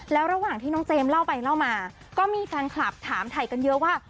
แล้วระหว่างที่น้องเจมส์เล่าไปเล่ามาก็มีแฟนคลับถามถ่ายกันเยอะว่า